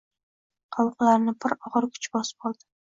Qovoqlarini bir og‘ir kuch bosib oldi.